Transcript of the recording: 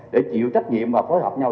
để chịu trách nhiệm và phối hợp nhau